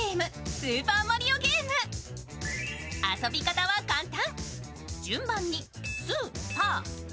遊び方は簡単。